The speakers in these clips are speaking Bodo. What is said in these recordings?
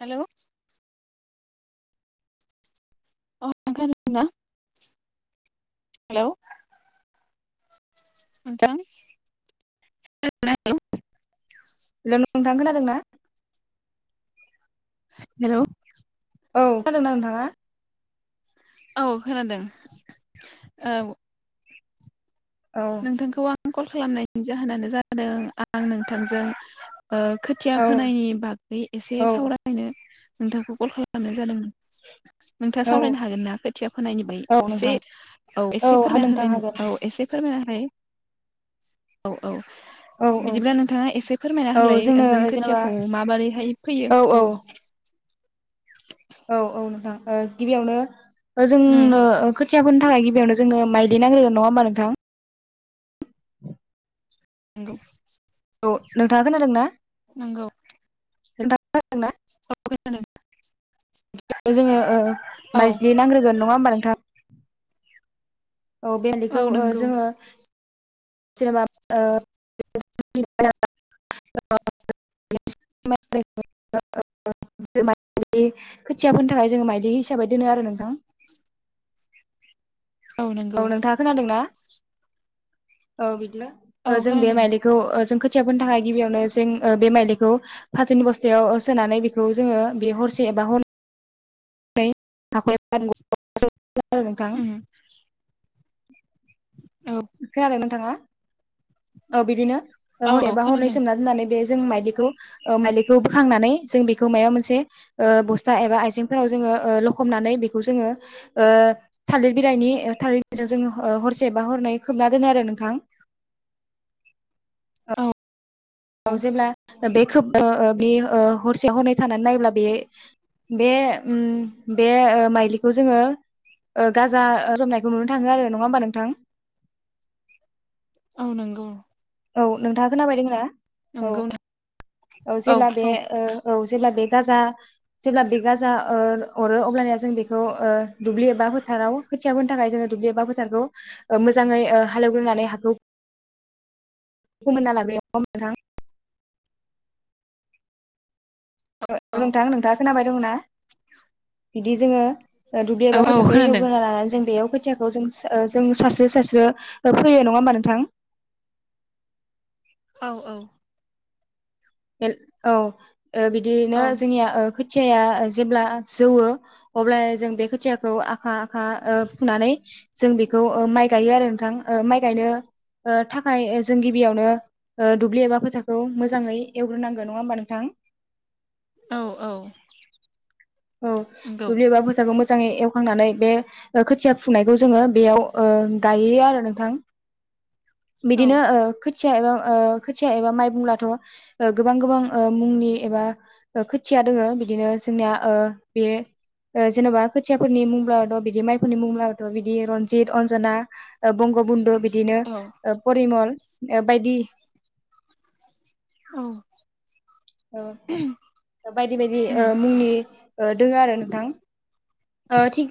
हेलौ अ खोनादोंना हेलौ नोंथां हेल' नोंथां खोनादों ना हेलौ औ नादोंना नोंथाङा? औ खोनादों औ औ नोंथांखौ आं क'ल खालामनायनि जाहोनानो जादों आं नोंथांजों ओ खोथिया औ फोनायनि बागै एसे औ सावरायनो नोंथांखौ क'ल खालामनाय जादोंमोन। नोंथाङा औ सावरायनो हागोन ना खोथिया फोनायनिबै औ एसे नोंथां औ एसे हा फोरना नोंथां होलायनो हागोन औ एसे फोरमायना हाय औ औ औ औ बिदिब्ला नोंथाङा एसे फोरमायना औ होलाय जोंनो जों जेनेबा खोथियाखौ माबोरैहाय फैयो औ औ औ नोंथां ओ गिबियावनो उम जोंनो खोथियाफोनो थाखाय गिबियावनो जोंनो माइलि नांग्रोगोन नङा ओमा नोंथां? नोंगौ औ नोंथाङा खोनादोंना नोंथाङा खोनादोंना ना? औ खोनादों जोङो ओ औ माइज्लि नांग्रोगोन नङा ओम्बा नोंथां? औ औ बेलिखौ ओ नंगौ जोङो जेनबा ओ [unintelligible] [unintelligible] [unintelligible] खोथियाफोरनि थाखाय जोङो माइलि हिसाबै दोनो आरो नोंथां औ नोंथाङा खोनादों ना औ बिदिनो? औ ओ जों बे खोनादों माइलिखौ ओ जों खोथियााबोनो थाखाय गिबियावनो जों बे माइलिखौ फाथोनि बस्थायाव सोनानै बेखौ जोङो बे हरसे बा हर बे फाकय फांगु [unintelligible] नोंथां उम औ खोनादों नोंथाङा औ बिदिनो औ औ ओहरेबा हरनै खोनादों सोमना दोननानै बे जों माइलिखौ ओ माइलिखौ बोखांनानै जों बेखौ माया मोनसे ओ बस्था एबा आइजेंफोराव जोङो ओ लबमनानै बेखौ जोङो ओ थालिर बिलाइनि ओ थालिर बिजाव जों ह-हरसेबा हरनै खोबना दोनो आरो नोंथां ओ औ औ जेब्ला बे खोब ओ बे ओ हरसे हरनै थानानै नायोब्ला बे बे उम बे माइलिखौ जोङो ओ गाजा जमनायखौ नुनो थाङो आरो नङा होमबा नोंथां? औ नोंगौ औ नोंथाङा खोनाबायदोङोना औ नंगौ औ जेब्ला बे ओ औ जेब्ला बे गाजा जेब्ला बे गाजा ओ अरो अब्लानिया जों बेखौ ओ दुब्लि एबा फोथाराव खोथिया बोनो थाखाय जोङो दुब्लि एबा फोथारखौ ओ मोजाङै ओ हालेवग्रोनानै हाखौ फोमोनना लाग्रोयो ओ नोंथां ओ औ नोंथां नोंथाङा खोनाबाय दंङोना इदि जोङो ओ दुब्लि एबा औ फोथारखौ खोनादों एवग्रोना लानानै जों बेयाव खोथियाखौ जों सो जों सास्रो सास्रो फैयो नङा होमबा नोंथां? औ औ एल औ ओ बिदिनो औ जोंनिया ओ खोथ थियाया जेब्ला जौवो अब्ला जों बे खोथियाखौ आखा खा ओ फुनानै जों बेखौ ओ माइ गायो आरो नोंथां ओ माइ गायनो ओ थाखाय जों गिबियावनो ओ दुब्लि एबा फोथारखौ मोजाङै एवग्रोनांगौ नङा होमबा नोंथां? औ औ औ नंगौ दुब्लि एबा फोथारखौ मोजां मोजाङै एवखांनानै बे खोथिया फुंनायखौ जोङो बेयाव ओ गायो आरो नोंथां [inaudible] औ बिदिनो ओ खो थिया एबा खोथिया एबा माइ बुंब्लाथ गोबां गोबां मुंनि एबा खो थिया दोङो बिदिनो जोंनिया ओ बे ओ जेनबा खोथियाफोरनि मुंब्लाथ बिदि माइफोरनि मुंब्लाथ बिदि रनजित अनजना बंग बन्धु बिदिनो औ परिमल ओ बायदि औ औ बायदि बायदि ओ उम मुंनि दोङो आरो नोंथां ओ थिग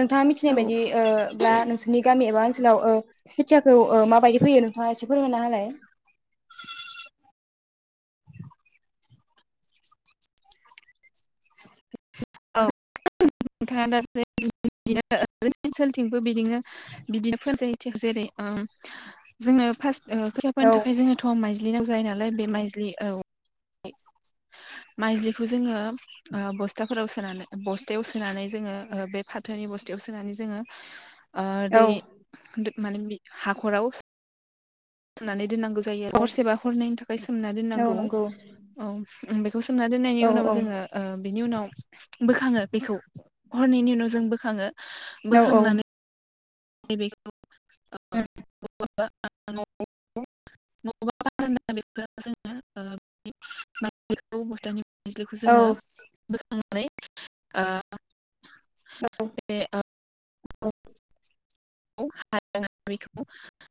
नोंथाङा मिथिनाय औ बायदि ओ ब्ला ओ नोंसोरनि गामि एबा सोलाव ओ खोथियाखौ माबायदि फैयो नोंथाङा एसे फोरोंना होलाय औ नोंथाङा दासो बिदिनो जों ओनसोलथिंबो बिदिनो बिदिनो [unintelligible] जेरै ओ जोंनो फार्स्ट ओ खोथिया औ फोनो थाखाय जोङोथ माइज्लि नांगौ जायो नालाय बे माइज्लि औ माइजलिखौ जोङो ओ बस्थाफोराव सोनानै बस्थायाव सोन सोनानै जोङो ओ बे फाथोनि बस्थायाव सोनानै जोङो ओ औ दै माने बिख हाखराव सोननानै दोननांगौ जायो आरो औ हरसेबा हरनायनि थाखाय सोमना औ दोननांगौ नंगौ औ ओम बे बेखौ सोमना दोननायनि औ उनाव औ जोङो ओ बेनि उनाव बोखाङो बेखौ हरननायनि उनाव जों बोखाङो औ बोखांनानै [unintelligible] [unintelligible] [unintelligible] निज्लिखौ जोङो औ बोखांनानै ओ बे ओ औ [unintelligible]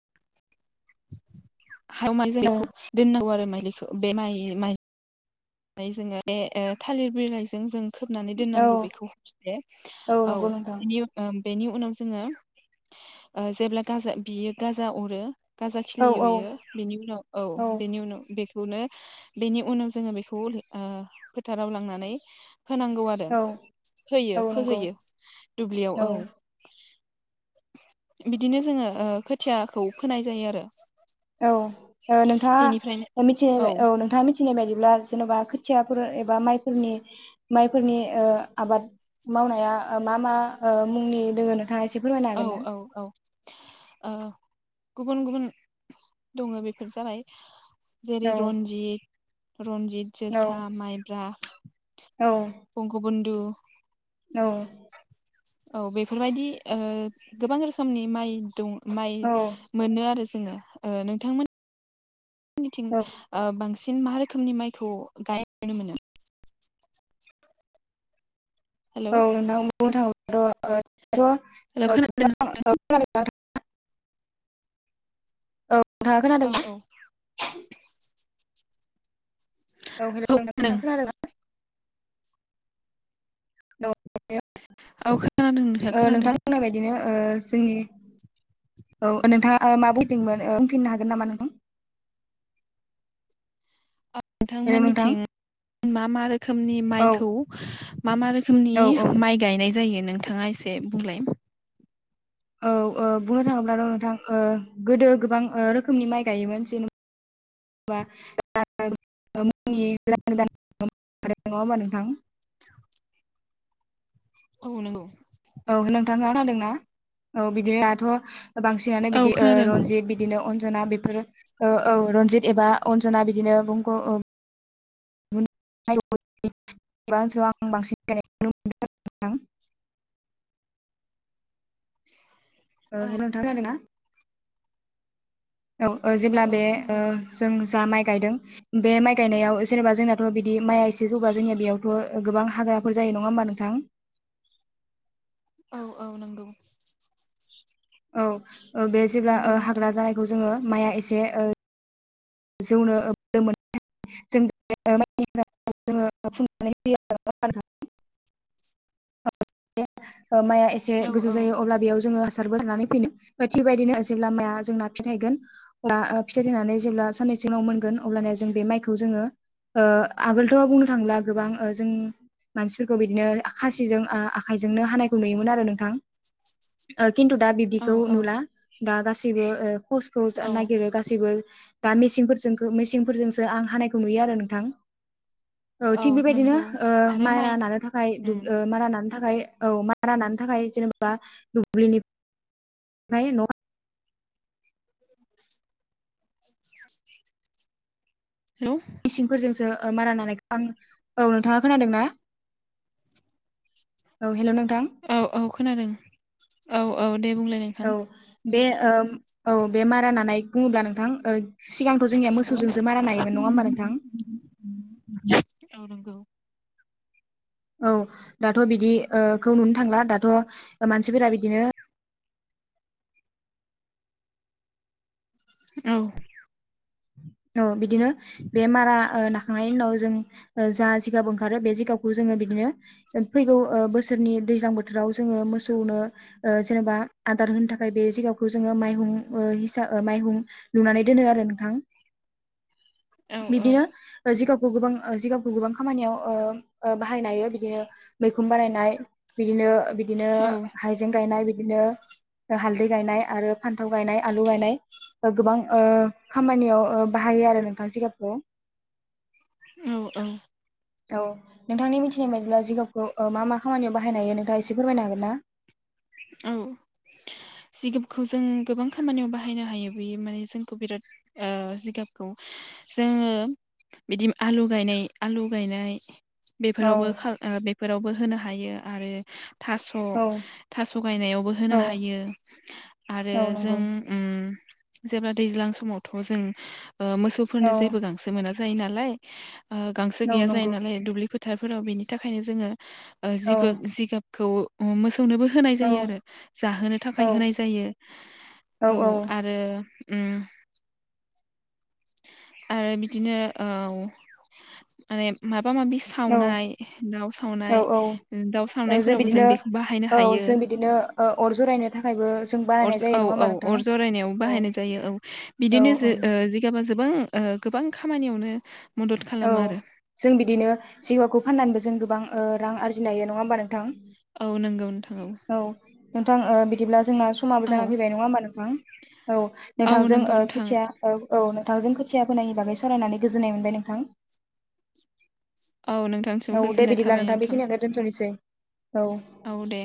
हायाव माइ औ जायैखौ दोननांगौ आरो माइलिखौ बे माइ माइ जोङो बे थालिर बिलाइजों जों खोबनानै दोननांगौ औ बेखौ हरसे औ नंगौ नोंथां बोनि उनाव बेनि उनाव जोङो ओ जेब्ला गाजा बियो गाजा अरो गाजा औ खिलियो औ बेयो बेनि उनाव औ बेनि उनाव बेखौनो बेनि उनाव जोङो बे ओ फोथाराव लांनानै होनांगौ आरो होयो औ नंगौ फोहोयो दुब्लियाव औ बिदिनो जोङो ओ खोथियाखौ फोनाय जायो आरो औ बेनिफ्रायनो नोंथाङा मिथि औ नोंथाङा मि बायदिब्ला जेन'बा खोथियाफोर एबा मायफोरनि माइफोरनि ओ आबाद मावनाया ओ मा मा ओ मुंनि दङ नोंथाङा एसे फोरमायनो औ हागोन ना औ औ ओ गुबुन गुबुन दङ बेफोर जाबाय जेरै औ रनजित रनजित औ जोसा माइब्रा बंग बन्धु औ औ बेफोरबायदि ओ गोबां रोखोमनि माइ दं माइ औ मोनो आरो नोंथांमोनिथिं औ सिन मा रोखोमनि माइखौ गाय नुनो मोनो हेलौ औ नोंथां' हेल' खोनादों [unintelligible] औ नोंथाङा औ खोनादोंना। औ औ हेल' नोंथां खोनादोंना। ओ औ औ खोनादों खोनादों नोंथां होननाय बायदिनो ओ। जोंनि औ नोंथाङा मा बदोंमोन बुंफिननो हागोन नामा नोंथां। [unintelligible] हेलौ नोंथां नोंथांमोननिथिं मा मा रोखोमनि औ माइखौ। मा मा रोखोमनि औ औ माइ गायनाय जायो नोंथाङा एसे बुंलाय। औ बुंनो थाङोब्लाथ' नोंथां गोदो गोबां रोखोमनि माइ गायोमोन जेने। बा [unintelligible] आरो नङा‌ होमबा नोंथां। [unintelligible] औ नंगौ। औ नोंथाङा औ खोनादोंना? बिदिनो दाथ' बांसिनानो औ बिदि खोनादों रनजित बिदिनो अनजना बेफोर। ओ औ रनजित एबा अनजना बिदिनो बंग। [unintelligible] आं बांसिन गायनायखौ नुनो मोनदों नोंथां। औ हेल' नोंथां खोनादोंना। औ जेब्ला औ बे ओ खोनादों जों जा माइखौ। गायदों बे माइ गायनायाव जेनेबा जोंनाथ' बिदि माइया एसे जौगा जोंनिया बेयावथ' गोबां। हाग्राफोर जायो नङा होमबा नोंथां। औ औ नंगौ। औ बे जेब्ला नंगौ नोंथां हाग्रा जानायखौ जोङो माइआ एसे ओ। जौनो मोन [unintelligible] जों जोङनानै होयो [unintelligible] [inaudible] माइआ एसे औ गोजौ औ जायो अब्ला बेयाव जोंओ हासारबो‌ सारनानै फैनो थिगबायदिनो जेब्ला माइआ जोंना फिथाइ थाइगोन बा फिथाइ थायनानै जेब्ला साननैसो उनाव मोनगोन अब्लाना जों बे माइखौ जोंओ आगोलथ' बुंनो थाङोब्ला गोबां जों। मानसिफोरखौ बिदिनो खासिजों आखायजोंनो हानायखौ नुयोमोन आरो नोंथां ओ खिन्थु दा औ बिब्दिखौ नुला दा गासैबो ओ कसखौ औ नागिरो गासैबो। दा मेसिनफोर मेसिनफोरजोंसो आं हानायखौ नुयो आरो नोंथां। औ थिग बेबायदिनो नंगौ आरो मारा माइ नानो थाखाय उम ओ मारा नानो। थाखाय औ मारानो थाखाय जेनेबा दुब्लिनि। फ्राय न'। हेलौ मेसिनफोरजोंसो। मारा नानायखौ आं औ नोंथाङा खोनादोंना औ हेल' नों औ औ खोनादों औ औ दे बुंलाय नोंथां। औ बे ओ औ बे मारा होननानै बुङोब्ला नोंथां ओ सिगांथ' जोंनिया मोसौजोंसो मारा नायोमोन नङा होमबा नोंथां। औ नंगौ औ दाथ' बिदिखौ नुनो थांला दाथ' मानसिफोरा बिदिनो। औ औ बिदिनो बे मारा नानो थांनायनि उनाव जों जा जिगाब ओंखारो बे जिगाबखौ जोङो बिदिनो फैगौ बोसोरनि। दैज्लां बोथोराव जोंओ मोसौनो जेनेबा आदार होनो थाखाय बे जिगाबखौ जोंओ माइहुं हिसा ओ माइहुं लुनानै दोनो आरो नोंथां। औ बिदिनो जिगाबखौ गोबां ओ जिगाब। गोबां खामानियाव बाहायनो हायो बिदिनो मैखुन बानायनाय बिदिनो। बिदिनो औ हाइजें गायनाय बि बिदिनो हालदै गायनाय आरो फान्थाव गायनाय आलु गायनाय गोबां ओ खामानियाव ओ बाहायो आरो नोंथांङा सिगाबखौ औ औ औ नोंथांनि मिथिनाय बादिब्ला जिगाबखौ ओ मा मा खामानियाव बाहायनो हायो नोंथांङा एसे फोरमायनो हागोन ना? औ जिगाबखौ जों गोबां खामानियाव बाहायनो हायो बेयो माने जोंखौ बिराद ओ जिगाबखौ जोङो बिदि आलु गायनाय आलु गायनाय औ बेफोरावबो बेफोरावबो होनो हायो आरो औ थास' थास' गायनायावबो होनो औ हायो आरो औ जों नंगौ जेब्ला दैज्लां समावथ जों ओ मोसौफोरनो औ जेबो गांसो मोना जायो नालाय ओ गांसो औ गैया जायो नंगौ नालाय दुब्लि फोथारफोराव बेनि थाखायनो जोङो जि औ जिगाबखौ मोसौनोबो होनाय औ जायो आरो जाहोनो औ थाखाय होनाय जायो औ आरो उम आरो बिदिनो ओ माने मा माबा माबि सावनाय दाउ सावनाय औ दाउ औ सावनायफोरावबो जों बिदिनो बेखौ बाहायनो औ हायो। जों बिदिनो ओ अर जरायनो थाखायबो जों अर बानायनाय जायो औ नङा होमबा औ नोंथां? अर जरायनायाव औ बाहायनाय जायो औ औ बिदिनो जो ओं ओ जिगाबा जोबां ओ गोबां खामानियावनो मदद औ खालामो आरो जों बिदिनो सिगाबखौ फाननानैबो जों गोबां रां आरजिनो हायो नङा होमबा नोंथां औ नंगौ नोंथां औ नोंथां बिदिब्ला जोंना समाबो जाना फैबाय नङा होमबा नोंथां औ औ नोंथांजों नंगौ ओ नोंथां खोथिया औ औ नोंथांजों खोथिया फोनायनि बागै सावरायनानै गोजोननाय मोनबाय नोंथां औ नोंथांसिबो औ दे गोजोननाय बिदिब्ला थाबाय नोंथां बेखिनियावनो दोनथ'नोसै औ दे